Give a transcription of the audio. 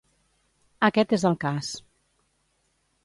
Aquest és el cas.